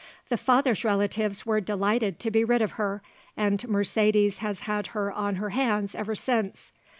The father's relatives were delighted to be rid of her and Mercedes has had her on her hands ever since.